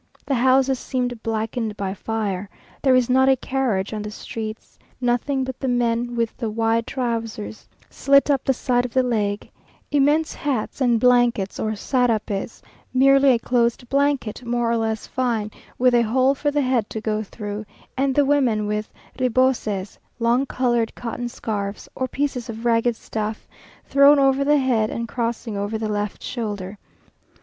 The houses seemed blackened by fire; there is not a carriage on the streets nothing but the men with the wide trousers slit up the side of the leg, immense hats, and blankets, or sarapes, merely a closed blanket, more or less fine, with a hole for the head to go through; and the women with reboses, long coloured cotton scarfs, or pieces of ragged stuff, thrown over the head and crossing over the left shoulder.